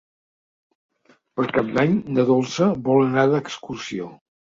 Per Cap d'Any na Dolça vol anar d'excursió.